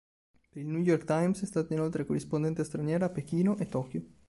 Per il New York Times è stata inoltre corrispondente straniera a Pechino e Tokyo.